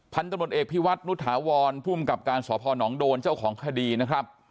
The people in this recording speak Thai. พันธุ์ตำรวจเอกพิวัฒนุถาวรภูมิกับการสพนโดนเจ้าของคดีนะครับ